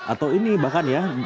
atau ini bahkan ya